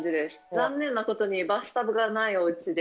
残念なことにバスタブがないお家で。